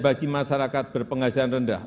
bagi masyarakat berpenghasilan rendah